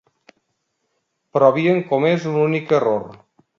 Però havien comès un únic error.